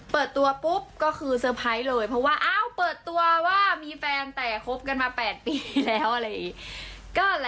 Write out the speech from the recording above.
เปิดตัวปุ๊บก็คือเซอร์ไพรส์เลยเพราะว่าอ้าวเปิดตัวว่ามีแฟนแต่คบกันมา๘ปีแล้วอะไรอย่างนี้